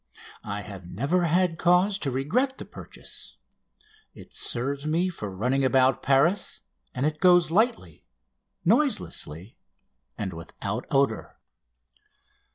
I have never had cause to regret the purchase. It serves me for running about Paris, and it goes lightly, noiselessly, and without odour.